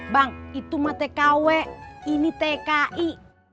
bang itu mah tkw ini tki